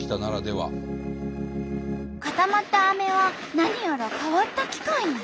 固まったアメは何やら変わった機械に。